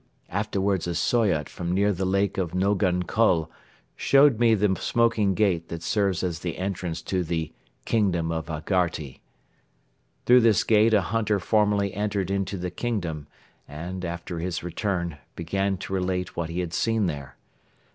Afterwards a Soyot from near the Lake of Nogan Kul showed me the smoking gate that serves as the entrance to the "Kingdom of Agharti." Through this gate a hunter formerly entered into the Kingdom and, after his return, began to relate what he had seen there.